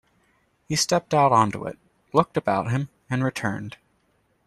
He stepped out on to it, looked about him, and returned.